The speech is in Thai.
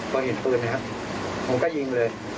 พอเห็นปืนนะครับผมก็ยิงเลย